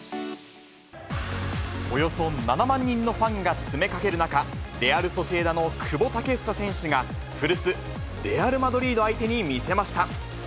およそ７万人のファンが詰めかける中、レアル・ソシエダの久保建英選手が、古巣、レアル・マドリード相手に見せました。